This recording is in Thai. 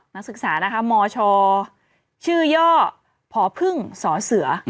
นักศึกษานะคะมชชื่อย่อผอพึ่งสอเสือ